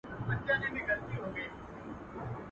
د کوترو د چوغکو فریادونه.